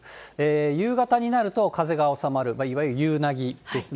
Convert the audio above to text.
夕方になると、風が収まる、いわゆる夕なぎですね。